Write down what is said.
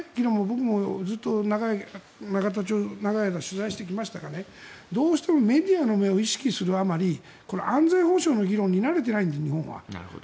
僕もずっと長い間取材してきましたがどうしてもメディアの目を意識するあまり安全保障の議論に慣れてないんです、日本は。